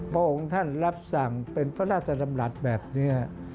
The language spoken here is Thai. พระองค์ท่านรับสั่งเป็นพระราชดำรัฐแบบนี้